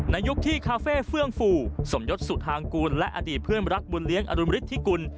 ยุคที่คาเฟ่เฟื่องฟูสมยศสุธางกูลและอดีตเพื่อนรักบุญเลี้ยงอรุณฤทธิกุล